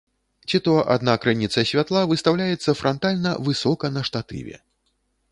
Ці то адна крыніца святла выстаўляецца франтальна высока на штатыве.